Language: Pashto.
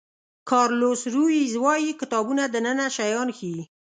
کارلوس رویز وایي کتابونه دننه شیان ښیي.